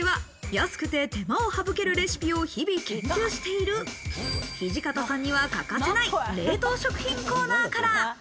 最初の食材は安くて手間を省けるレシピを日々研究している土方さんには欠かせない冷凍食品コーナーから。